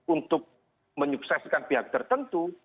untuk menyukseskan pihak tertentu